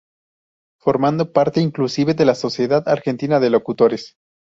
Formando parte inclusive de la Sociedad Argentina de Locutores.